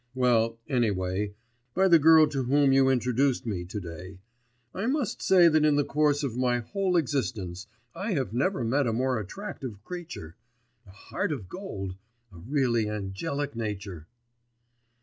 well, anyway, by the girl to whom you introduced me to day. I must say that in the course of my whole existence I have never met a more attractive creature. A heart of gold, a really angelic nature.